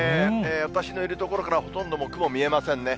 私のいる所からはほとんどもう雲見えませんね。